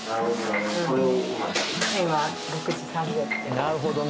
なるほどね。